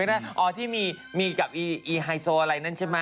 อะที่มีมีกับอีเฮอโซอะไรนั้นใช่มะ